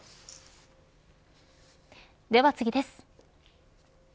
では次です。